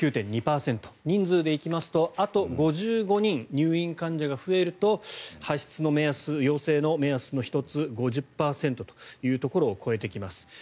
人数で行きますとあと５５人、入院患者が増えると発出の目安、要請の目安の１つ５０％を超えてきます。